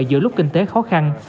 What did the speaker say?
giữa lúc kinh tế khó khăn